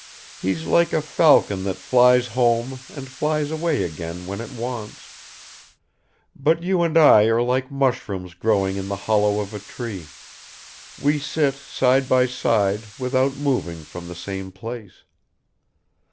He's like a falcon that flies home and flies away again when it wants; but you and I are like mushrooms growing in the hollow of a tree, we sit side by side without moving from the same place.